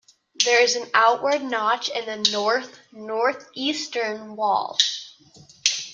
There is an outward notch in the north-northeastern wall.